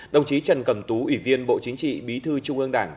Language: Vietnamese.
đồng chí trần cẩm tú ủy viên bộ chính trị bí thư trung ương đảng